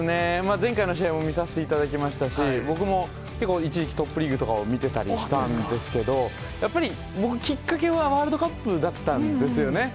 前回の試合も見させていただきましたし、僕も結構一時期トップリーグを見てたりしたんですけど、やっぱり僕、きっかけはワールドカップだったんですよね。